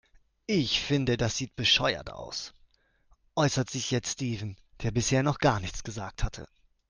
Ich finde, das sieht bescheuert aus, äußerte sich jetzt Steven, der bisher noch gar nichts gesagt hatte.